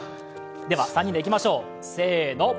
では、３人でいきましょう、せーの。